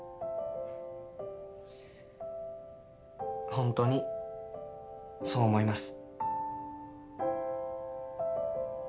ホントにそう思います。